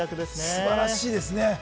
素晴らしいですね。